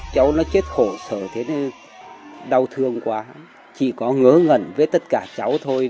cháu nó chết khổ sở thế nên đau thương quá chỉ có ngỡ ngẩn với tất cả cháu thôi